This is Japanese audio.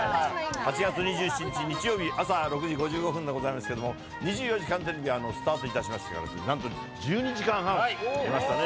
８月２７日日曜日、朝６時５５分でございますけれども、２４時間テレビがスタートいたしましたけれども、１２時間半やりましたね。